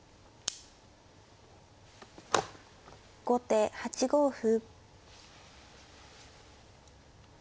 後手８五歩。